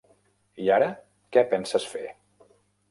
I ara què penses fer?